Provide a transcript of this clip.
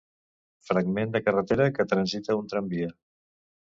Fragment de carretera que transita un tramvia.